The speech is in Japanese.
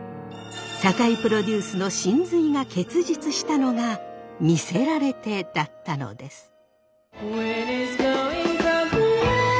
酒井プロデュースの神髄が結実したのが「魅せられて」だったのです。